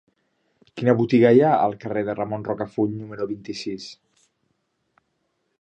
Quina botiga hi ha al carrer de Ramon Rocafull número vint-i-sis?